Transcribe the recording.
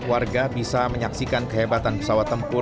warga bisa menyaksikan kehebatan pesawatnya